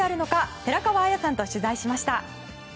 寺川綾さんと取材しました。